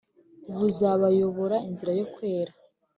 buzabayobora inzira yo kwera.